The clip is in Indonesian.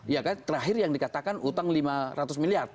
ya kan terakhir yang dikatakan utang lima ratus miliar